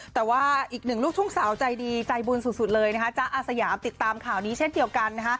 แต่ว่าอีกหนึ่งลูกทุ่งสาวใจดีใจบุญสุดเลยนะคะจ๊ะอาสยามติดตามข่าวนี้เช่นเดียวกัน